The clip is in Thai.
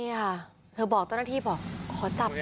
นี่ค่ะเธอบอกเจ้าหน้าที่บอกขอจับหน่อย